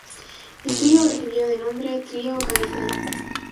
El trío recibió de nombre Trio Gaither.